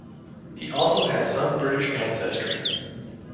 He also has some British ancestry.